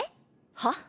はっ？